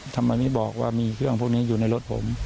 ทำไมไม่บอกว่ามีเครื่องพวกนี้อยู่ในรถผม